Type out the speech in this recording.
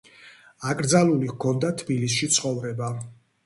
აკრძალული ჰქონდა თბილისში ცხოვრება.